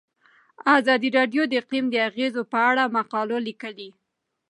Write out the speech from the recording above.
ازادي راډیو د اقلیم د اغیزو په اړه مقالو لیکلي.